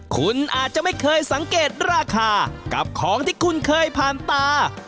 คุณอาจจะไม่เคยสังเกตราคากับของที่คุณเคยผ่านตา